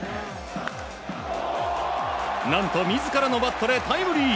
何と自らのバットでタイムリー！